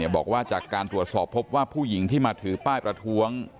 บอกว่าจากการตรวจสอบพบว่าผู้หญิงที่มาถือป้ายประท้วง